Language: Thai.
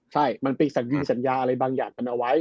ใช่มันไปสัญญาอะไรบางอย่างกันเอาไว้